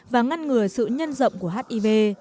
và ngăn ngừa sự nhân rộng của hiv